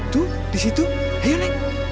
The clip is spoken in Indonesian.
tuh disitu ayo neng